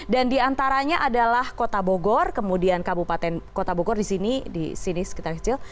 dan diantaranya adalah kota bogor kemudian kabupaten kota bogor di sini di sini sekitar kecil